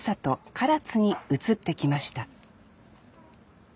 唐津に移ってきました